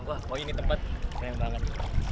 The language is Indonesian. wah ini tempat keren banget